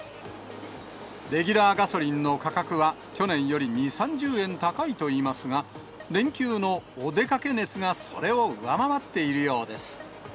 レギュラーガソリンの価格は、去年より２、３０円高いといいますが、連休のお出かけ熱がそれを上回っているようです。